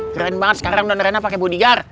keren banget sekarang non rena pake bodigar